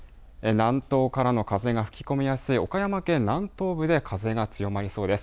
南東からの風が吹き込みやすい岡山県南東部で風が強まりそうです。